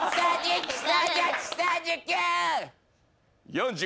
４０。